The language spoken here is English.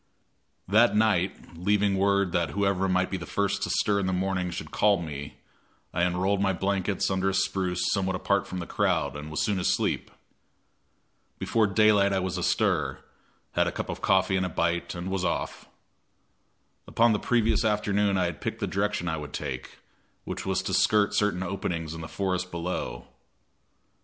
That night, leaving word that whoever might be the first to stir in the morning should call me, I unrolled my blankets under a spruce somewhat apart from the crowd, and was soon asleep. Before daylight I was astir, had a cup of coffee and a bite, and was off. Upon the previous afternoon I had picked the direction I would take, which was to skirt certain openings in the forest below.